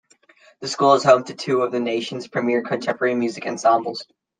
The school is home to two of the nation's premier contemporary music ensembles.